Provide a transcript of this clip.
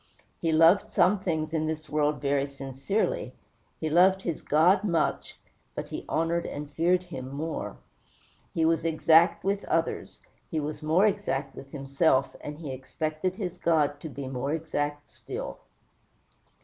He loved some things in this world very sincerely; he loved his God much, but he honored and feared him more. He was exact with others; he was more exact with himself, and he expected his God to be more exact still.